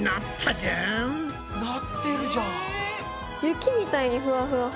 雪みたいにふわふわ！